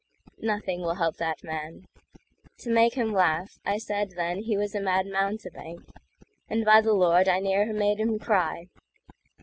Nothing will help that man. To make him laugh,I said then he was a mad mountebank,—And by the Lord I nearer made him cry.